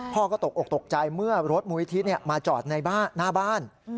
พ่อก็ตกออกตกใจเมื่อรถมูลนิธิมาจอดในหน้าบ้าน